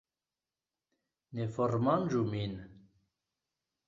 Ne formanĝu min!